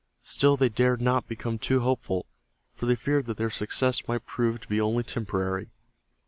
Still they dared not become too hopeful, for they feared that their success might prove to be only temporary.